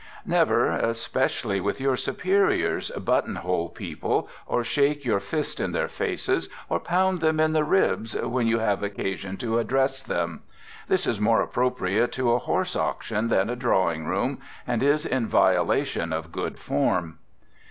Never, especially with your superiors, buttonhole people, or shake your fist in their faces, or pound them in the ribs when you have occasion to address them. This is more appropriate to a horse auction than a drawing room, and is in violation of good form.